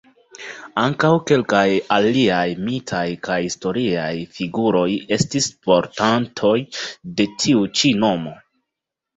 Ankaŭ kelkaj aliaj mitaj kaj historiaj figuroj estis portantoj de tiu ĉi nomo.